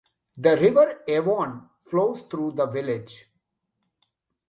The River Avon flows through the village.